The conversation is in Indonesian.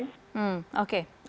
hmm inaf pola siapa